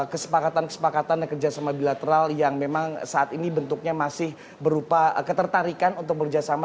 kesepakatan kesepakatan dan kerjasama bilateral yang memang saat ini bentuknya masih berupa ketertarikan untuk bekerjasama